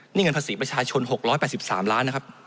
นี่เงินภาษีประชาชน๖๘๓ล้านนะครับ